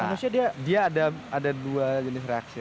manusia dia ada dua jenis reaksi